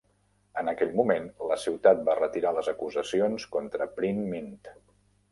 En aquell moment, la ciutat va retirar les acusacions contra Print Mint.